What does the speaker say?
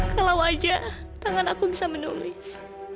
kalau aja tangan aku bisa menulis